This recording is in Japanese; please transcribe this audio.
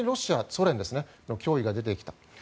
その脅威が出てきた。